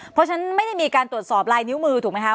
เพราะฉะนั้นไม่ได้มีการตรวจสอบลายนิ้วมือถูกไหมคะ